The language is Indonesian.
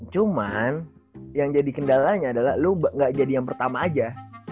cuman yang jadi kendalanya adalah lo gak jadi yang pertama aja